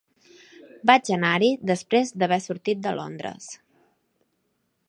Vaig anar-hi després d'haver sortit de Londres.